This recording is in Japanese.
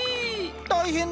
大変だ。